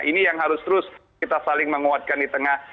ini yang harus terus kita saling menguatkan di tengah